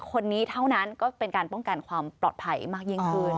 คนนี้เท่านั้นก็เป็นการป้องกันความปลอดภัยมากยิ่งขึ้น